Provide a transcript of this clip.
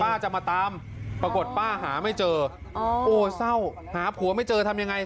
จะมาตามปรากฏป้าหาไม่เจอโอ้เศร้าหาผัวไม่เจอทำยังไง